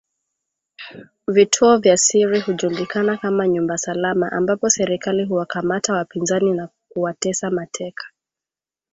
Vituo vya siri hujulikana kama nyumba salama ambapo serikali huwakamata wapinzani na kuwatesa mateka